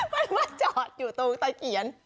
มันมาจอดอยู่ตรงตะเขียน